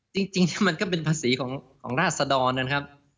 จริงมันก็เป็นภาษีของราชสะดรนะครับ